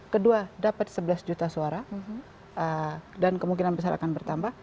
kedua dapat sebelas juta suara dan kemungkinan besar akan bertambah